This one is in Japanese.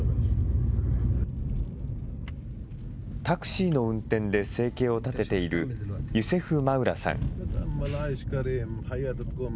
タクシーの運転で生計を立てているユセフ・マウラさん。